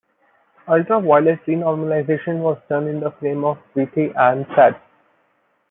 Ultraviolet renormalization was done in the frame of the Bethe Ansatz.